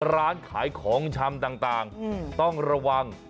ร้านขายของชำต่างต้องระวัง